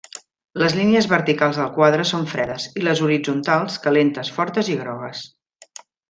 Les línies verticals del quadre són fredes, i les horitzontals calentes, fortes i grogues.